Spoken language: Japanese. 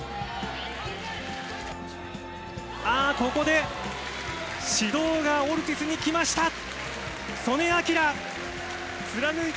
あー、ここで指導がオルティスに来ました。